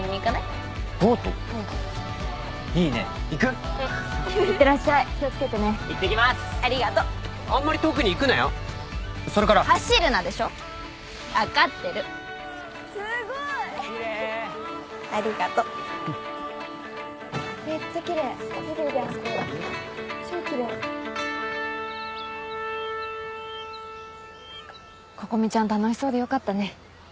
心美ちゃん楽しそうでよかったね。